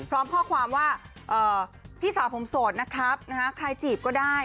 พร้อมข้อความว่าพี่สาวผมโสดนะครับใครจีบก็ได้